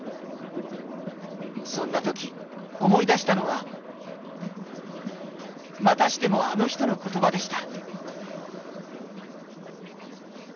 そんな時思い出したのはまたしてもあの人の言葉でした。